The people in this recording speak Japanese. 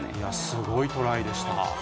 すごいトライでした。